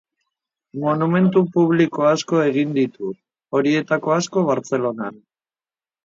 Monumentu publiko asko egin ditu, horietako asko Bartzelonan.